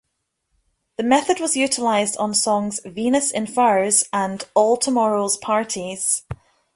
The method was utilized on songs "Venus in Furs" and "All Tomorrow's Parties".